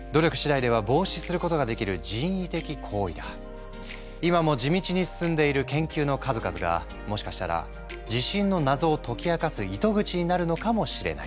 一方今も地道に進んでいる研究の数々がもしかしたら地震の謎を解き明かす糸口になるのかもしれない。